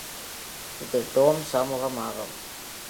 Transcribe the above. இது டோம் சமூகம் ஆகும்.